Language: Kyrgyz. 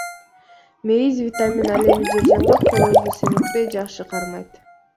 Мейиз — витамин, ал эми жер жаңгак корозду семиртпей жакшы кармайт.